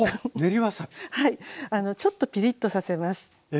はいちょっとピリッとさせます。